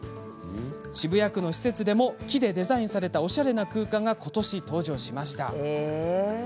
渋谷区の施設でも、木でデザインされたおしゃれな空間がことし、登場しました。